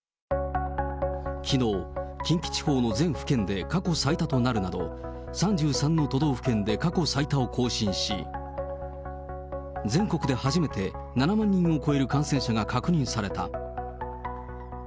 きのう、近畿地方の全府県で過去最多となるなど、３３の都道府県で過去最多を更新し、全国で初めて７万人を超える感染者が確認された。